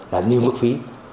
là nhiều mức phí